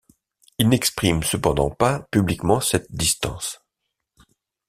Il n'exprime cependant pas publiquement cette distance.